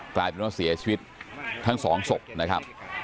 กลายเป็นว่าเสียชีวิตทั้งสองศพนะครับ